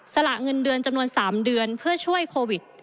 ละเงินเดือนจำนวน๓เดือนเพื่อช่วยโควิด